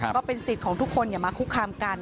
ก็เป็นสิทธิ์ของทุกคนอย่ามาคุกคามกัน